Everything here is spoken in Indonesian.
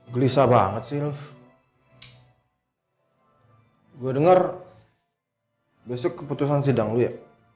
gelisah banget silv gue denger besok keputusan sidang ya